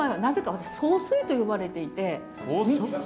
峰総帥って呼ばれていて。